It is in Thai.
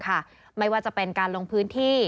ไม่ว่าจะเป็นการลงพื้นที่